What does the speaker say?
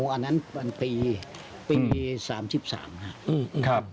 อ๋ออันนั้นเป็นปี๓๓ครับ